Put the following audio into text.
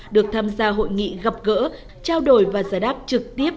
được tham gia hội nghị gặp gỡ trao đổi và giải đáp trực tiếp